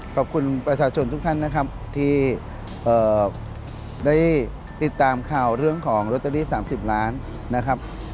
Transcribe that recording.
ขอบคุณประชาชนที่ได้ติดตามข่าวเรื่องโรตเตอรี๓๐ล้านนะครับ